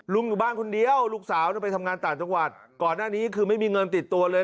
อยู่บ้านคนเดียวลูกสาวไปทำงานต่างจังหวัดก่อนหน้านี้คือไม่มีเงินติดตัวเลย